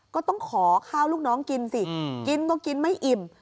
ก็ต้องขอข้าวลูกน้องกินสิกินก็กินไม่อิ่ม